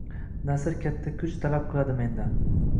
Nasr katta kuch talab qiladi mendan.